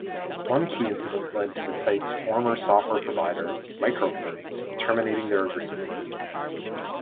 One key incident led to the site's former software provider, Microgaming, terminating their agreement.